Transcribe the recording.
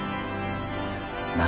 何？